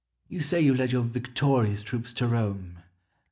You say you led your victorious troops to Rome.